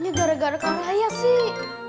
ini gara gara kak raya sih